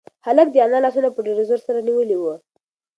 هلک د انا لاسونه په ډېر زور سره نیولي وو.